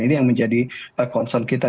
ini yang menjadi concern kita